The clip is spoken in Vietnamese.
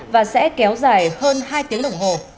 và sẽ kéo dài hơn hai tiếng đồng hồ